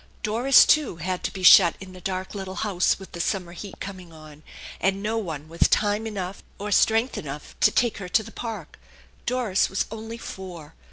Doris, too, had to be shut in the dark little house with the summer heat coming on, and no one with time enough or strength enough to take her to the Park. Doris was only four.